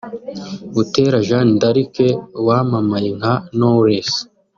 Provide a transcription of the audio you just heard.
Butera Jean D’Arc wamamaye nka Knowless